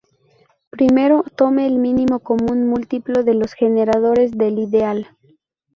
Primero, tome el mínimo común múltiplo de los generadores del ideal.